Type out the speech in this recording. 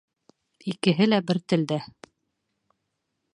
Икеһе лә бер телдә.